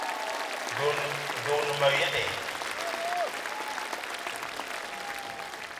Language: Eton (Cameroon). De o ne wa yene?